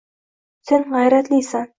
Sen g‘ayratlisan!